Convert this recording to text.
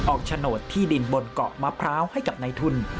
โฉนดที่ดินบนเกาะมะพร้าวให้กับในทุน